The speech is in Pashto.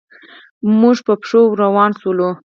موږ په پښو ور روان شولو.